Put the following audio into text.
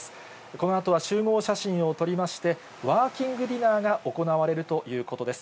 このあとは集合写真を撮りまして、ワーキングディナーが行われるということです。